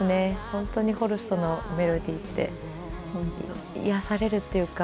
本当にホルストのメロディーって癒やされるっていうか。